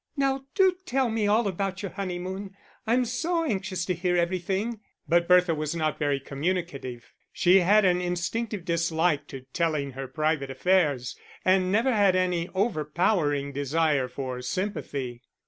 "Now, do tell me all about your honeymoon, I'm so anxious to hear everything." But Bertha was not very communicative, she had an instinctive dislike to telling her private affairs, and never had any overpowering desire for sympathy.